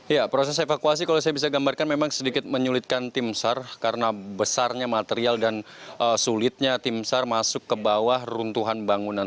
ya proses evakuasi kalau saya bisa gambarkan memang sedikit menyulitkan tim sar karena besarnya material dan sulitnya tim sar masuk ke bawah runtuhan bangunan